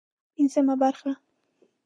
پنځمه برخه